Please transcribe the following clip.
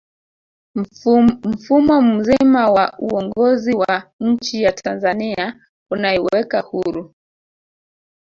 mfumo mzima wa uongozi wa nchiya tanzania unaiweka huru